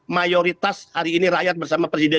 mayoritas hari ini rakyat bersama presiden